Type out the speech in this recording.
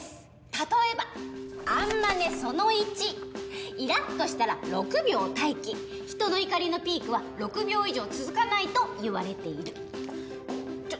例えばアンマネその１イラッとしたら６秒待機人の怒りのピークは６秒以上続かないといわれているちょ